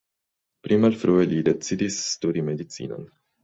Pli malfrue li decidis studi medicinon.